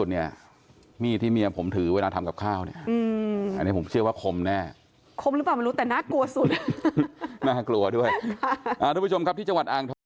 น่ากลัวด้วยค่ะทุกผู้ชมครับที่จังหวัดอ่างท้อม